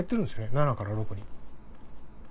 ７から６に。